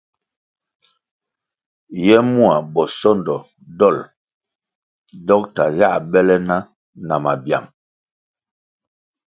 Ye mua bosondo dolʼ dokta yā bele na na mabyang.